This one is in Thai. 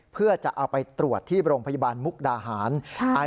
เพื่อจะเอาไปตรวจที่โรงพยาบาลมุกดาหาร